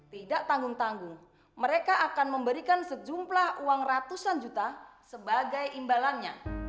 tidak tanggung tanggung mereka akan memberikan sejumlah uang ratusan juta sebagai imbalannya